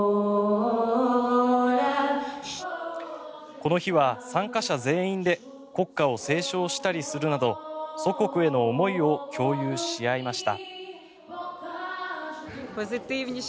この日は参加者全員で国歌を斉唱したりするなど祖国への思いを共有し合いました。